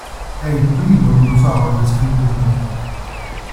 È il primo dinosauro descritto in Danimarca.